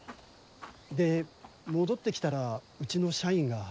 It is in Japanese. で戻って来たらうちの社員が。